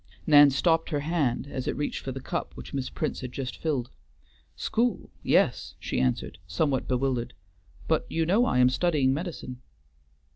Nan stopped her hand as it reached for the cup which Miss Prince had just filled. "School; yes," she answered, somewhat bewildered; "but you know I am studying medicine."